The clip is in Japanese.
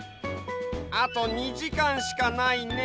あと２じかんしかないね。